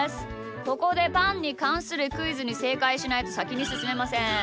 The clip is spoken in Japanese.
ここでパンにかんするクイズにせいかいしないとさきにすすめません。